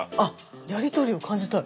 やり取りを感じたい。